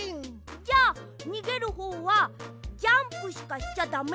じゃにげるほうはジャンプしかしちゃだめ。